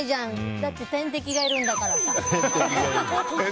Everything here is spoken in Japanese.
だって天敵がいるんだから。